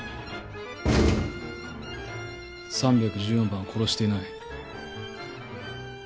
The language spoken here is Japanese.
３１４番は殺していない。